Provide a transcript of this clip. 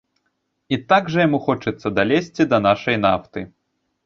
І так жа яму хочацца далезці да нашай нафты.